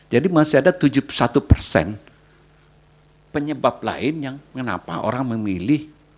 jadi masih ada tujuh puluh satu penyebab lain yang kenapa orang memilih